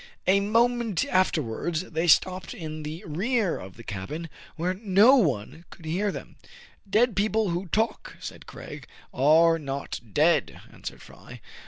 A mo ment afterwards they stopped in the rear of the cabin, where no one could hear them. " Dead people who talk "— said Craig. " Are not dead," answered Fry.